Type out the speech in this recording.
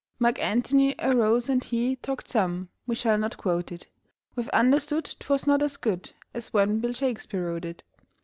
Mark Antony arose, and he Talked some, we shall not quote it; We've understood 'twas not as good As when Bill Shakespeare wrote it.